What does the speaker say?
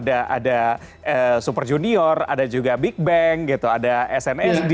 ada super junior ada juga big bang ada snsd